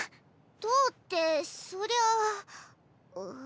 どうってそりゃあ。